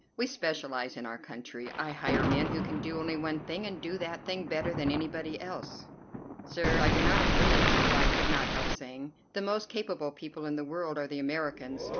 We specialize in our country. I hire men who can do only one thing, and do that thing better than anybody else." "Sir, I do not agree with you," I could not help saying. "The most capable people in the world are the Americans.